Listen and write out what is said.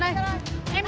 đây gì gì đây